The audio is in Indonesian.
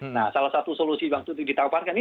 nah salah satu solusi waktu itu ditawarkan ini